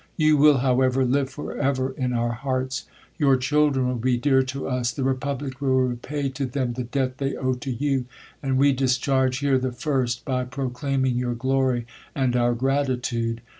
I You will, however, live forever in our hearts; your children will be dear to us ; the republic will repay to I them the debt they owe to you ; and we discharge here the first, by proclaiming your glory and our grat iitude.